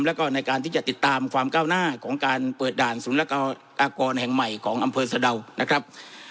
แล้วก็ในการที่จะติดตามความก้าวหน้าของการเปิดด่านศูนย์อากรแห่งใหม่ของอำเภอสะดาวนะครับ